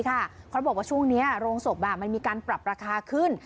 เขาบอกว่าช่วงนี้โรงศพมันมีการปรับราคาขึ้น